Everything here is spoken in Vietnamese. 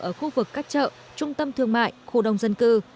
ở khu vực các chợ trung tâm thương mại khu đông dân cư